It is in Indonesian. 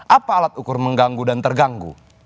apa alat ukur mengganggu dan terganggu